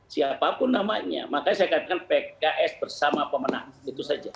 siapapun namanya makanya saya katakan pks bersama pemenang itu saja